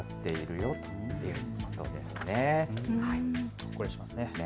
ほっこりしますね。